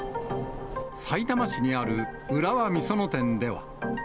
さいたま市にある浦和美園店では。